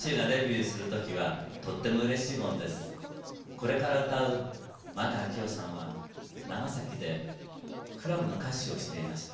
これから歌う前川清さんは長崎でクラブの歌手をしていました。